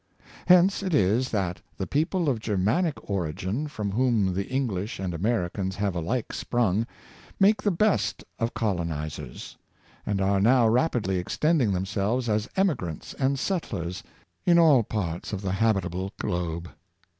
Hence it is that the people of Germanic origin, from whom the English and Americans have alike sprung, make the best of colo nizers, and are now rapidly extending themselves as emigrants and settlers in all parts of the habitable globe.